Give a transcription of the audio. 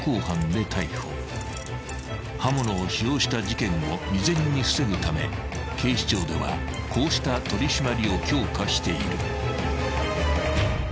［刃物を使用した事件を未然に防ぐため警視庁ではこうした取り締まりを強化している］